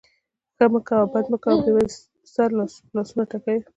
ښه کوه او بد مه کوه؛ بیا به سر په لاسونو ټکوې.